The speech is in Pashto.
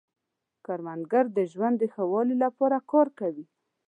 کروندګر د ژوند د ښه والي لپاره کار کوي